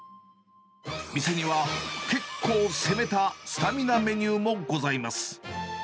店には結構攻めたスタミナメニューもございます。